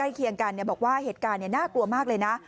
เคียงกันบอกว่าเหตุการณ์น่ากลัวมากเลยนะ